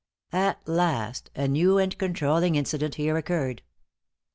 At last, a new and controlling incident here occurred.